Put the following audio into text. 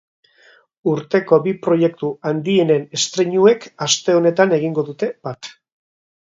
Urteko bi proiektu handienen estreinuek aste honetan egingo dute bat.